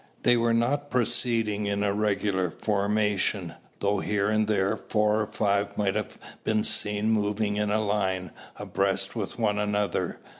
They were not proceeding in a regular formation; though here and there four or five might have been seen moving in a line, abreast with one another.